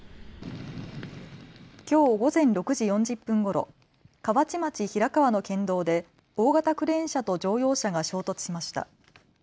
きょう午前６時４０分ごろ河内町平川の県道で大型クレーン車と乗用車が衝突しました。